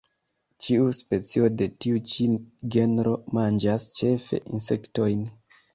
Ĉiu specio de tiu ĉi genro manĝas ĉefe insektojn.